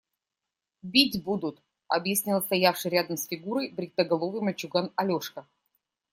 Бить будут, – объяснил стоявший рядом с Фигурой бритоголовый мальчуган Алешка.